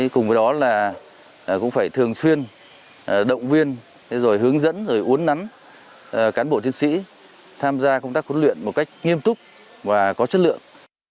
cùng với đó là cũng phải thường xuyên động viên hướng dẫn uốn nắn cán bộ chiến sĩ tham gia công tác huấn luyện một cách nghiêm túc và có chất lượng